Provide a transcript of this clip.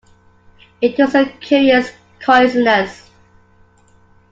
It was a curious coincidence.